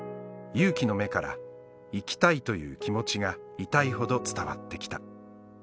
「優希の目から生きたいという気持ちが痛いほど伝わってきた」